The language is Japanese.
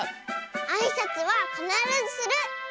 あいさつはかならずする！